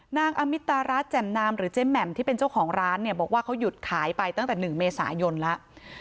นางอมิตรัสแจ่มนามหรือเจ๊แหม่มที่เป็นเจ้าของร้านเนี่ยบอกว่าเขาหยุดขายไปตั้งแต่๑เมษายนแล้ว